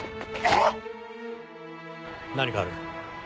何かある。